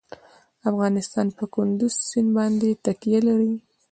افغانستان په کندز سیند باندې تکیه لري.